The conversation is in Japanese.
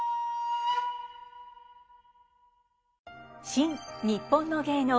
「新・にっぽんの芸能」